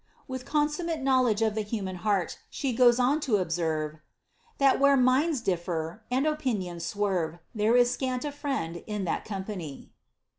With consummate knowledge of the human heart, she goes on to ob serve, ^ that where minds difi!er, and opinions swerve, there is scant a friend in that company."